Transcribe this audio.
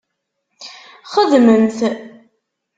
Xedmemt!